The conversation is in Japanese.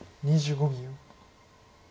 ２５秒。